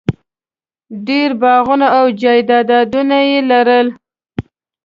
ډېر باغونه او جایدادونه یې لرل.